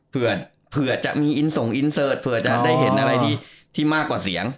เพื่อจะมีจะได้เห็นอะไรที่ที่มากกว่าเสียง